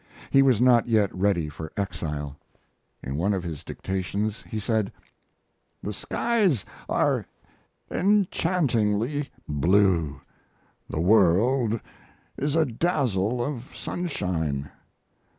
He was not yet ready for exile. In one of his dictations he said: The skies are enchantingly blue. The world is a dazzle of sunshine.